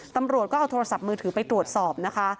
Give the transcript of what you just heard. ตำรวจก็เอาโทรศัพท์มือถือไปตรวจสอบนะคะ